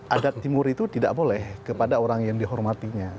adat timur itu tidak boleh kepada orang yang dihormatinya